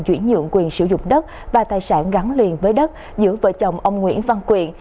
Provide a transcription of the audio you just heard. chuyển nhượng quyền sử dụng đất và tài sản gắn liền với đất giữa vợ chồng ông nguyễn văn quyện